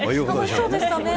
楽しそうでしたね。